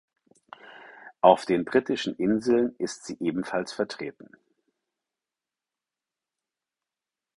Auf den Britischen Inseln ist sie ebenfalls vertreten.